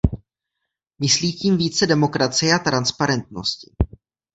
Myslí tím více demokracie a transparentnosti.